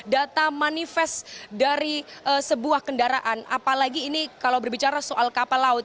data manifest dari sebuah kendaraan apalagi ini kalau berbicara soal kapal laut